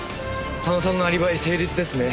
佐野さんのアリバイ成立ですね。